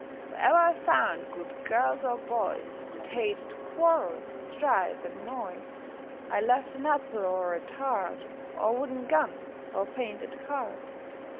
Where e'er I found good girls or boys, That hated quarrels, strife and noise, I left an apple, or a tart, Or wooden gun, or painted cart.